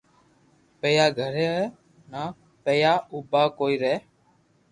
پئيا گھري آوي تو پييئا اوبا ڪوئي رھي